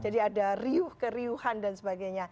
jadi ada riuh keriuhan dan sebagainya